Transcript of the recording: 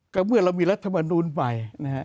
ก็เมื่อเรามีรัฐมนูญใหม่